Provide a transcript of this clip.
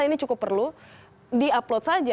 ini cukup perlu di upload saja